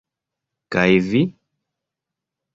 Kaj vi..?